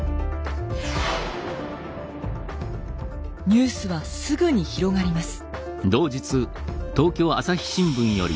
ニュースはすぐに広がります。